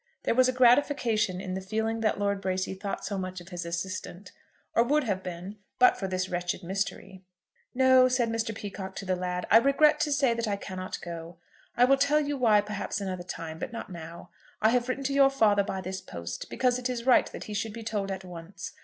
There was a gratification in the feeling that Lord Bracy thought so much of his assistant, or would have been but for this wretched mystery! "No," said Mr. Peacocke to the lad. "I regret to say that I cannot go. I will tell you why, perhaps, another time, but not now. I have written to your father by this post, because it is right that he should be told at once.